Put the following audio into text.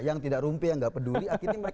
yang tidak rumpi yang nggak peduli